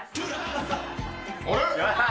あれ？